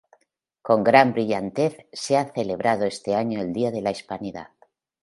Con gran brillantez se ha celebrado este año el día de la Hispanidad.